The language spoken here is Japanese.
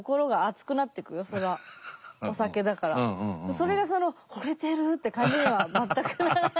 それがその惚れてるって感じには全くならない。